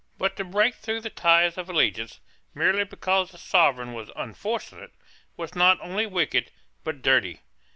But to break through the ties of allegiance, merely because the Sovereign was unfortunate, was not only wicked, but dirty.